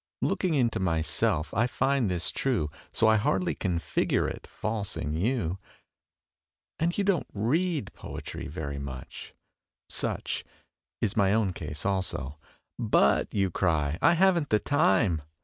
Looking into myself, I find this true, So I hardly can figure it false in you. And you don't read poetry very much. (Such Is my own case also.) "But," you cry, "I haven't the time."